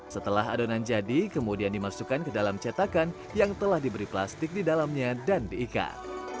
setelah adonan jadi kemudian dimasukkan ke dalam cetakan yang telah diberi plastik di dalamnya dan diikat